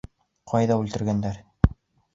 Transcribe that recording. Ҡайҙа үлтергәндәр?